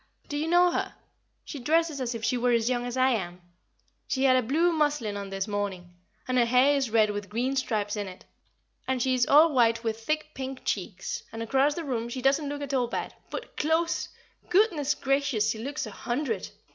Do you know her? She dresses as if she were as young as I am. She had a blue muslin on this morning, and her hair is red with green stripes in it, and she is all white with thick pink cheeks, and across the room she doesn't look at all bad; but close! Goodness gracious she looks a hundred!